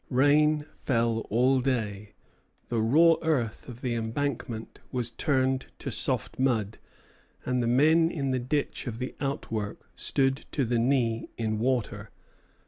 Rain fell all day. The raw earth of the embankment was turned to soft mud, and the men in the ditch of the outwork stood to the knee in water.